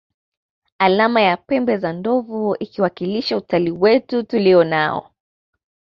Alama ya pembe za ndovu ikiwakilisha utalii wetu tulio nao